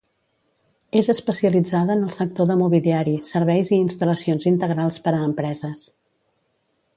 És especialitzada en el sector de mobiliari, serveis i instal·lacions integrals per a empreses.